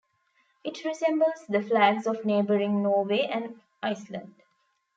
It resembles the flags of neighbouring Norway and Iceland.